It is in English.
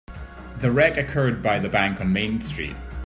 The wreck occurred by the bank on Main Street.